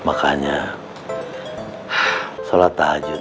makanya sholat tahajud